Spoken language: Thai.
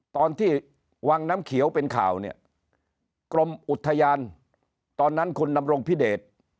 ตอนที่วังน้ำเขียวเป็นข่าวเนี่ยกรมอุทยานตอนนั้นคุณดำรงพิเดช